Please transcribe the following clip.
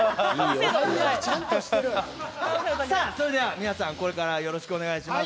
皆さん、これからよろしくお願いします。